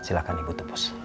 silahkan ibu tebus